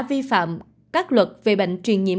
vi phạm các luật về bệnh truyền nhiễm